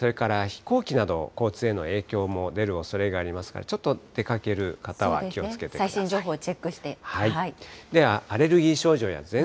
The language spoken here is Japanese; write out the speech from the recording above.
それから飛行機など、交通への影響も出るおそれがありますから、ちょっと出かける方は気をつけて最新情報をチェックして。